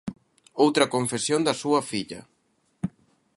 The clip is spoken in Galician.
Outra confesión da súa filla.